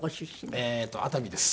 えっと熱海です。